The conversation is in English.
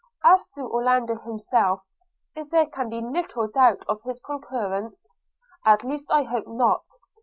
As to Orlando himself, there can be little doubt of his concurrence; – at least I hope not.